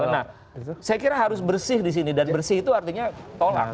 nah saya kira harus bersih di sini dan bersih itu artinya tolak